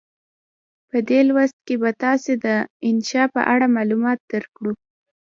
په دې لوست کې به تاسې ته د انشأ په اړه معلومات درکړو.